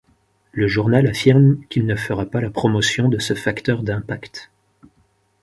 Le journal affirme qu'il ne fera pas la promotion de ce facteur d'impact.